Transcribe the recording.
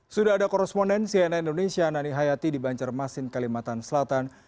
sudah ada koresponden cnn indonesia nani hayati di banjarmasin kalimantan selatan